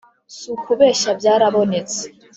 Si ukubeshya byarabonetse